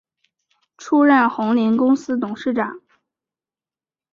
出任鸿霖公司董事长。